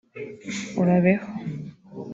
"Urabeho